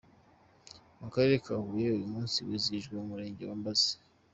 Mu Karere Huye uyu munsi wizihirijwe mu Murenge wa Mbazi.